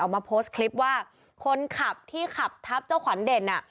มาโพสต์คลิปว่าคนขับที่ขับทับเจ้าขวัญเด่นอ่ะ